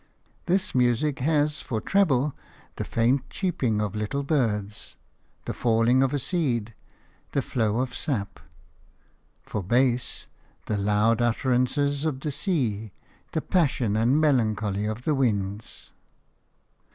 This music has for treble the faint cheeping of little birds, the falling of a seed, the flow of sap; for bass the loud utterances of the sea, the passion and melancholy of the winds.